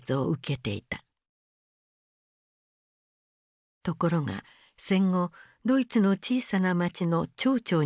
ところが戦後ドイツの小さな町の町長になっていた。